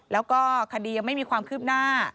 แล้วก็คดียังไม่มีความคืบหน้า